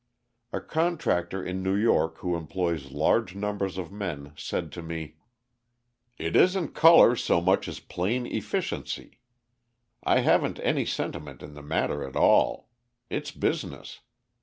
A contractor in New York who employs large numbers of men, said to me: "It isn't colour so much as plain efficiency. I haven't any sentiment in the matter at all. It's business.